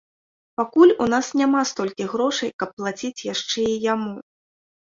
Пакуль у нас няма столькі грошай, каб плаціць яшчэ і яму.